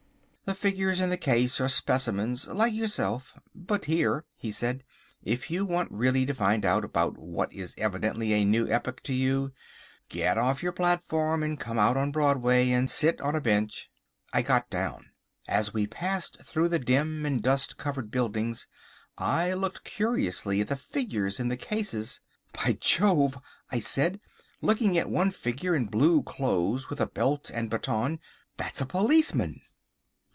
The figures in the cases are specimens like yourself. But here," he said, "if you want really to find out about what is evidently a new epoch to you, get off your platform and come out on Broadway and sit on a bench." I got down. As we passed through the dim and dust covered buildings I looked curiously at the figures in the cases. "By Jove!" I said looking at one figure in blue clothes with a belt and baton, "that's a policeman!"